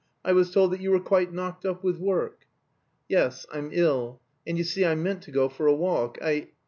I was told that you were quite knocked up with work." "Yes, I'm ill, and you see, I meant to go for a walk, I..."